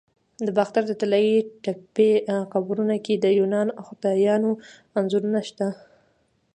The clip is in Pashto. د باختر د طلایی تپې قبرونو کې د یوناني خدایانو انځورونه شته